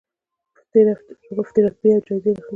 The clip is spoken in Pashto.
مفتې رتبې او جایزې اخلي.